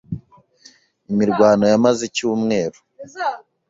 Imirwano yamaze icyumweru.